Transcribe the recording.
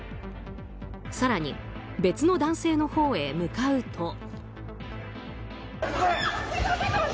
更に別の男性のほうへ向かうと。